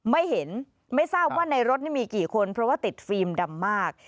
ไม่เห็นไม่ทราบว่าในรถนี่มีกี่คนเพราะว่าติดฟิล์มดำมาก